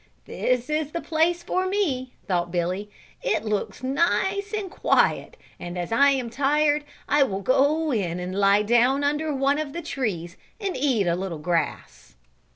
"This is the place for me," thought Billy, "it looks nice and quiet and as I am tired I will go in and lie down under one of the trees and eat a little grass."